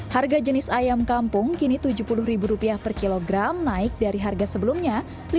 harga jenis ayam kampung kini tujuh puluh rupiah per kilogram naik dari harga sebelumnya lima puluh lima